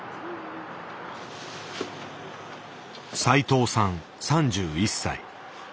斉藤さん３１歳。